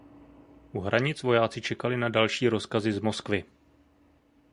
U hranic vojáci čekali na další rozkazy z Moskvy.